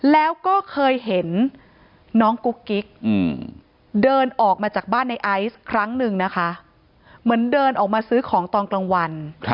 แล้วก็เคยเห็นน้องกุ๊กกิ๊กเดินออกมาจากบ้านในไอซ์ครั้งหนึ่งนะคะเหมือนเดินออกมาซื้อของตอนกลางวัน